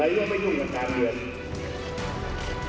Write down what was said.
ไหนก็ไม่ยุ่งกับการเรียน